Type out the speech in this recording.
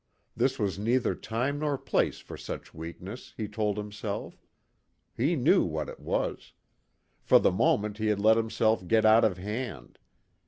This was neither time nor place for such weakness, he told himself. He knew what it was. For the moment he had let himself get out of hand.